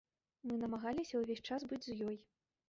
Мы намагаліся ўвесь час быць з ёй.